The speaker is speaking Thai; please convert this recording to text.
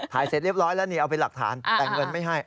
เสร็จเรียบร้อยแล้วนี่เอาเป็นหลักฐานแต่เงินไม่ให้